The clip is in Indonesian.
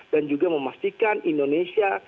dan juga memastikan indonesia